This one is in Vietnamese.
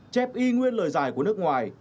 chép y nguyên lời giải của nước ngoài